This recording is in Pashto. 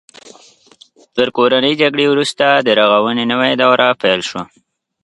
تر کورنۍ جګړې وروسته د رغونې نوې دوره پیل شوه.